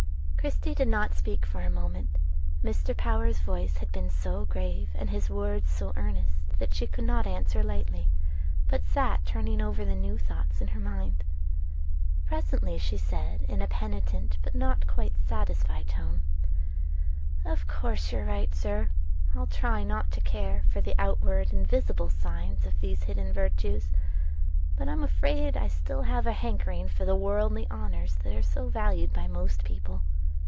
Christie did not speak for a moment: Mr. Power's voice had been so grave, and his words so earnest that she could not answer lightly, but sat turning over the new thoughts in her mind. Presently she said, in a penitent but not quite satisfied tone: "Of course you are right, sir. I'll try not to care for the outward and visible signs of these hidden virtues; but I'm afraid I still shall have a hankering for the worldly honors that are so valued by most people."